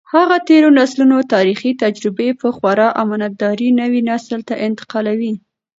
هغه د تېرو نسلونو تاریخي تجربې په خورا امانتدارۍ نوي نسل ته انتقالوي.